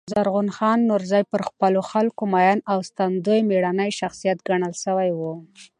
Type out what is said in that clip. زرغون خان نورزي پر خپلو خلکو مین او ساتندوی مېړنی شخصیت ګڼل سوی دﺉ.